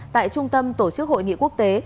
tại trung tâm tổ chức hội nghị quốc tế